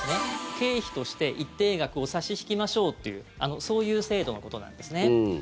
経費として一定額を差し引きましょうっていうそういう制度のことなんですね。